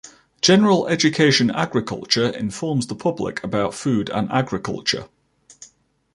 General education agriculture informs the public about food and agriculture.